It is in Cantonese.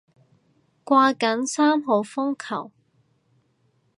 掛緊三號風球